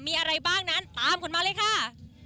มีอะไรบ้างนั้นตามคุณมาเลยค่ะ